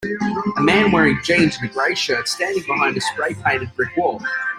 A man wearing jeans and a gray shirt standing behind a spray painted brick wall.